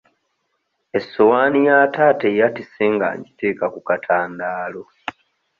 Essowaani ya taata eyatise nga ngiteeka ku katandaalo.